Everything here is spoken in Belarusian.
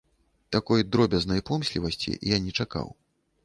Такой дробязнай помслівасці я не чакаў.